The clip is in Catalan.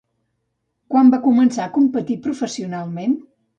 Quan va començar a competir professionalment?